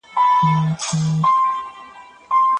پام د زده کړي ترټولو مهمه برخه ده.